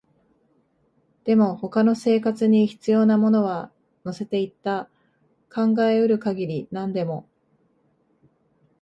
でも、他の生活に必要なものは乗せていった、考えうる限り何でも